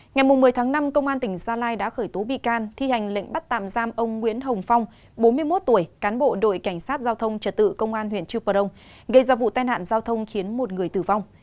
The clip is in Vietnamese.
ngày một mươi tháng năm công an tỉnh gia lai đã khởi tố bị can thi hành lệnh bắt tạm giam ông nguyễn hồng phong bốn mươi một tuổi cán bộ đội cảnh sát giao thông trật tự công an huyện trư prong gây ra vụ tai nạn giao thông khiến một người tử vong